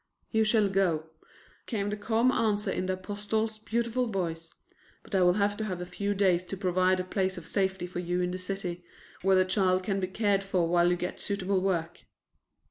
"You shall go," came the calm answer in the apostle's beautiful voice, "but I will have to have a few days to provide a place of safety for you in the city, where the child can be cared for while you get suitable work."